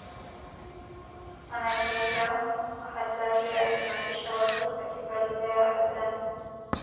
wanajiita Wahadzabe akimaanisha watu katika lugha yao Hadzane